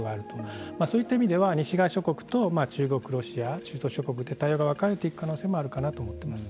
そういった意味では西側諸国と中国ロシア中東諸国で対応が分かれていく可能性もあるかなと思ってます。